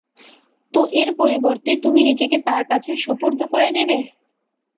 তো এর পরিবর্তে তুমি নিজেকে তাঁর কাছে সোপর্দ করে দিবে?